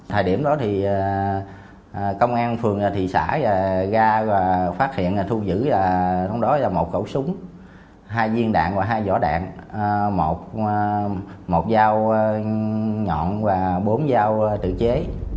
thời điểm đó thì công an phường thị xã ra và phát hiện thu giữ thông đối là một cậu súng hai viên đạn và hai vỏ đạn một dao nhọn và bốn dao tự chế